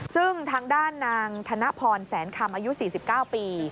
ซึ่งทางด้านนางธนพรแสนคำอายุ๔๙ปี